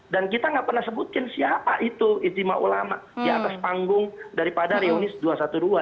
dan kita nggak pernah sebutin siapa itu ijtima ulama di atas panggung daripada reuni dua satu dua